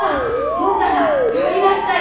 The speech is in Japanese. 本棚やりましたよ！